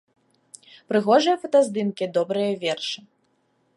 Прыгожыя фотаздымкі, добрыя вершы.